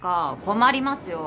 困りますよ。